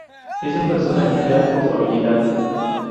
Es un personaje clave por su habilidad.